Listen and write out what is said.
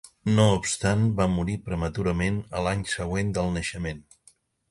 No obstant va morir prematurament a l'any següent del naixement.